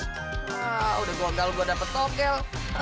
nah udah gua ganggal gua dapet tokel